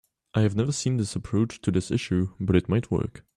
I have never seen this approach to this issue, but it might work.